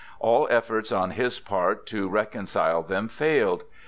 All efforts on his part to reconcile them failed.